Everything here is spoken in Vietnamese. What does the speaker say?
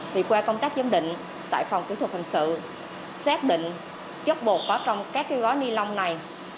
thì qua công tác giám định tại phòng kỹ thuật hình sự xác định chất bột có trong các cái gói ni lông này